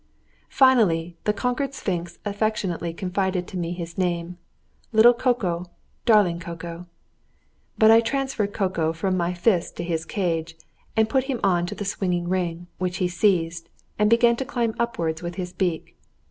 Finally, the conquered sphinx affectionately confided to me his name: "Little Koko! Darling Koko!" But I transferred Koko from my fist to his cage, and put him on to the swinging ring, which he seized, and began to climb upwards with his beak.